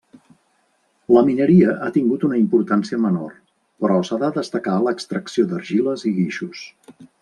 La mineria ha tingut una importància menor però s'ha de destacar l'extracció d'argiles i guixos.